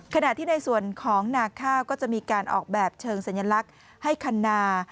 ขณะที่ในส่วนของนาข้าวก็จะมีการออกแบบเชิงสัญลักษณ์ให้คันนา